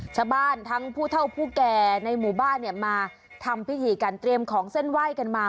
ชาวบ้านทั้งผู้เท่าผู้แก่ในหมู่บ้านเนี่ยมาทำพิธีการเตรียมของเส้นไหว้กันมา